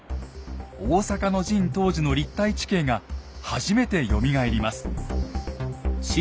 大坂の陣当時の立体地形が初めてよみがえります。